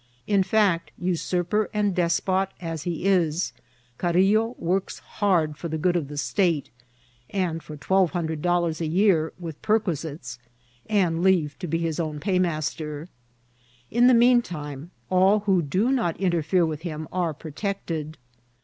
In fact, usurper and despot as he is, Carillo works hard for the good of the state, and for twelye hundred dol* lars a year, with perquisites, and leave to be his own paymaster. In the mean time, all who do not interfirare with him are protected.